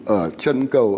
ở chân cầu